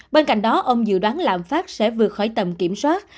bên cạnh đó ông dự đoán lạm phát sẽ vượt khỏi tầm kiểm soát